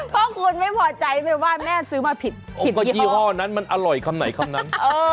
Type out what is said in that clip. เพราะคุณไม่พอใจไปว่าแม่ซื้อมาผิดว่ายี่ห้อนั้นมันอร่อยคำไหนคำนั้น